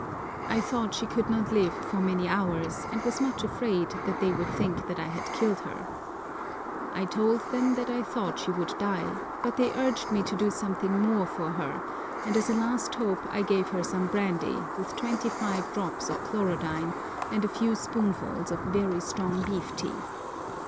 I thought she could not live for many hours, and was much afraid that they would think that I had killed her. I told them that I thought she would die; but they urged me to do something more for her, and as a last hope I gave her some brandy, with twenty five drops of chlorodyne, and a few spoonfuls of very strong beef tea.